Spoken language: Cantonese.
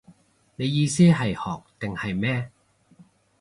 你意思係學定係咩